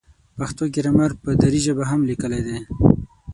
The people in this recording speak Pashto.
پښتو ګرامر په دري ژبه هم لیکلی دی.